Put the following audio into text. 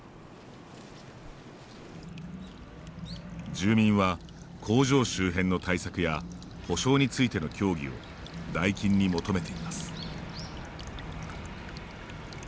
住民は工場周辺の対策や補償についての協議をダイキンに求めています。